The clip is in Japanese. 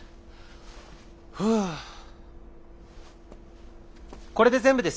ふぅこれで全部ですよね。